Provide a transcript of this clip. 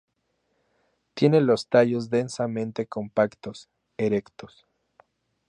Tiene los tallos densamente compactos, erectos.